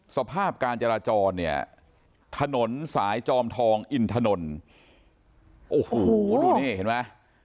สภาพการจราจรเนี่ยถนนสายจอมทองอินถนนโอ้โหดูนี่เห็นไหม